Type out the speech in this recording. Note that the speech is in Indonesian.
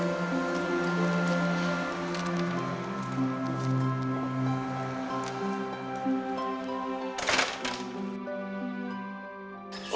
roman atau papa